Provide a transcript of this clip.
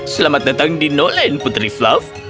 selamat datang di nolen putri flav